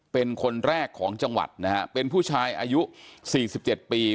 เป็นคนแรกของจังหวัดนะฮะเป็นผู้ชายอายุ๔๗ปี